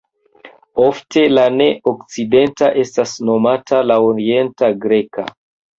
Ofte la ne-okcidenta estas nomata la Orienta Greka.